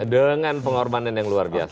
dengan pengorbanan yang luar biasa